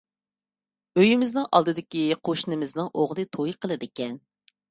ئۆيىمىزنىڭ ئالدىدىكى قوشنىمىزنىڭ ئوغلى توي قىلىدىكەن.